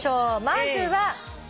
まずは。